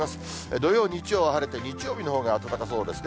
土曜、日曜は晴れて、日曜日のほうが暖かそうですね。